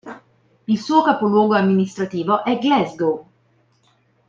Il suo capoluogo amministrativo è Glasgow.